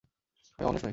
আমি অমানুষ নই।